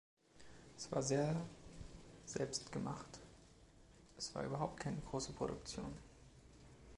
Es war sehr selbst gemacht; es war überhaupt keine große Produktion.